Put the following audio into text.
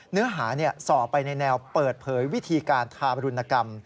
เนื้อหาส่อไปในแนวเปิดเผยวิธีการทาบรุณกรรม